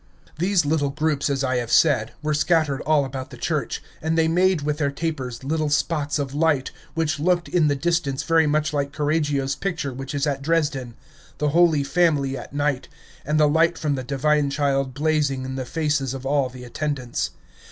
These little groups, as I have said, were scattered all about the church; and they made with their tapers little spots of light, which looked in the distance very much like Correggio's picture which is at Dresden, the Holy Family at Night, and the light from the Divine Child blazing in the faces of all the attendants.